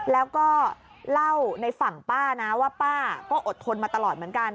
แล้วก็เล่าในฝั่งป้านะว่าป้าก็อดทนมาตลอดเหมือนกัน